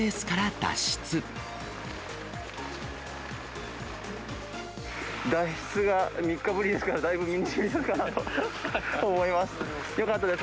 脱出が３日ぶりですから、だいぶ身にしみるかなと思います。